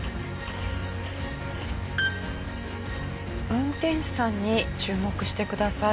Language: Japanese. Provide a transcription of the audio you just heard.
運転手さんに注目してください。